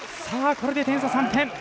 これで点差３点。